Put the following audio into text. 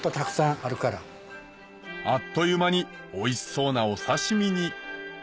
あっという間においしそうなお刺身に！